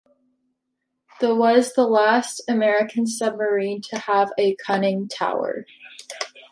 The was the last American submarine to have a conning tower.